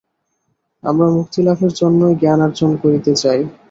আমরা মুক্তিলাভের জন্যই জ্ঞানার্জন করিতে চাই।